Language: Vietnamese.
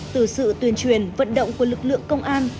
từ sự tuyên truyền vận động của lực lượng công an